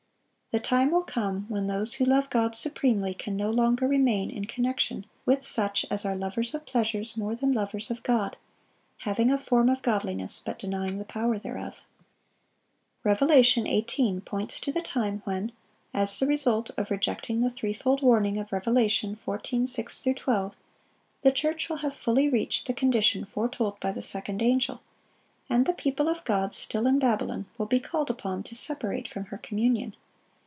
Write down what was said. The time will come when those who love God supremely can no longer remain in connection with such as are "lovers of pleasures more than lovers of God; having a form of godliness, but denying the power thereof." Revelation 18 points to the time when, as the result of rejecting the threefold warning of Rev. 14:6 12, the church will have fully reached the condition foretold by the second angel, and the people of God still in Babylon will be called upon to separate from her communion.